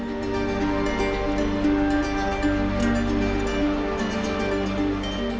pusaka rahiang medang gumilang